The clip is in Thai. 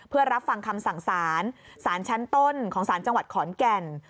เพื่อรับฟังคำสั่งสารสารชั้นต้นของสารจังหวัดขอนแก่น